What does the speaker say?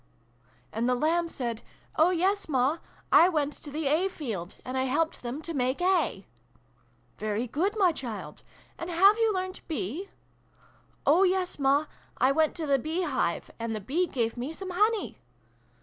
' And the Lamb said ' Oh yes, Ma ! I went to the A field, and I helped them to make A !'' Very good, my child! And have you learnt B?' 'Oh yes, Ma ! I went to the B hive, and the B gave me some honey